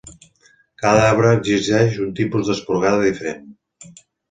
Cada arbre exigeix un tipus d'esporgada diferent.